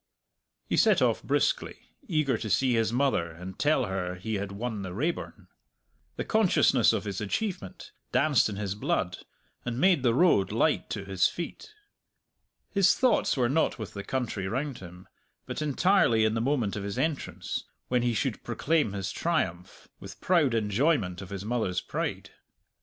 He set off briskly, eager to see his mother and tell her he had won the Raeburn. The consciousness of his achievement danced in his blood, and made the road light to his feet. His thoughts were not with the country round him, but entirely in the moment of his entrance, when he should proclaim his triumph, with proud enjoyment of his mother's pride.